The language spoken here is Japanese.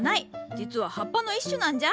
実は葉っぱの一種なんじゃ。